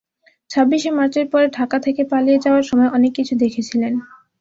ছাব্বিশে মার্চের পরে ঢাকা থেকে পালিয়ে যাওয়ার সময় অনেক কিছু দেখেছিলেন।